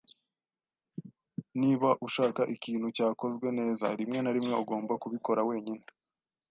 Niba ushaka ikintu cyakozwe neza, rimwe na rimwe ugomba kubikora wenyine.